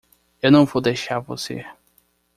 Eu não vou deixar você.